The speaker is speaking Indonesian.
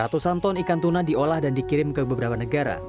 ratusan ton ikan tuna diolah dan dikirim ke beberapa negara